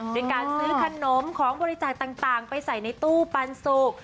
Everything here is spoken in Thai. ด้วยการซื้อขนมของบริจาคต่างไปใส่ในตู้ปันสุก